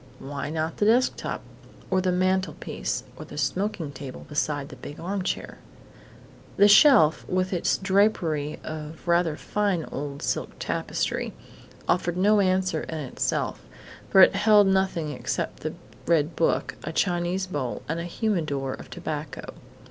Why not the desk top, or the mantelpiece, or the smoking table beside the big armchair? The shelf, with its drapery of rather fine old silk tapestry, offered no answer in itself, for it held nothing except the red book, a Chinese bowl, and a humidor of tobacco.